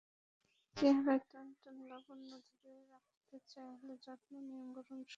চেহারায় টান টান লাবণ্য ধরে রাখতে চাইলে যত্ন নিন বরং সময় থাকতেই।